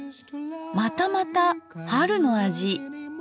またまた春の味。